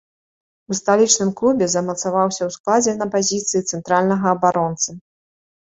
У сталічным клубе замацаваўся ў складзе на пазіцыі цэнтральнага абаронцы.